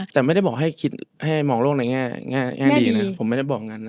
แต่ไม่ได้บอกให้มองโลกในแง่ดีนะ